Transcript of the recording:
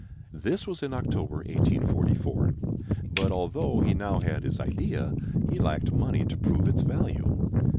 This was in October, 1844. But, although he now had his idea, he lacked money to prove its value.